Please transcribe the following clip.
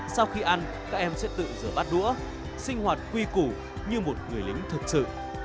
sau khi ăn các em sẽ tự rửa bát đũa sinh hoạt quy củ như một người lính thật sự